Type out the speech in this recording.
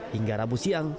hingga rabu siang